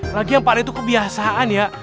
lagi yang pada itu kebiasaan ya